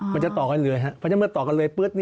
มันจะต่อกันเลยเพราะฉะนั้นเมื่อต่อกันเลย